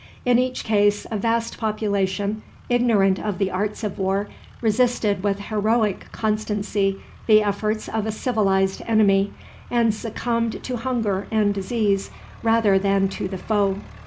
In each case a vast population, ignorant of the arts of war, resisted with heroic constancy the efforts of a civilized enemy, and succumbed to hunger and disease rather than to the foe.